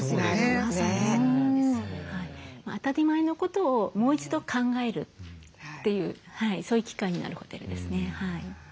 当たり前のことをもう一度考えるというそういう機会になるホテルですね。